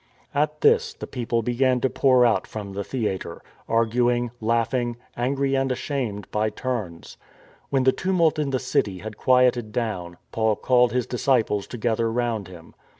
At this the people began to pour out from the theatre, arguing, laughing, angry and ashamed by turns. When the tumult in the city had quieted down, Paul called his disciples together round him.